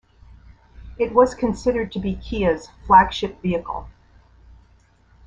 It was considered to be Kia's flagship vehicle.